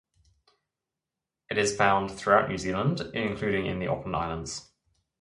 It is found throughout New Zealand including in the Auckland Islands.